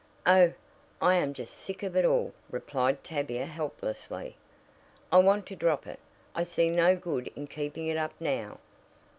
"Oh, I am just sick of it all," replied Tavia helplessly. "I want to drop it. I see no good in keeping it up now."